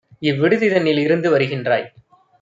இவ்விடுதி தன்னில் இருந்து வருகின்றாய்!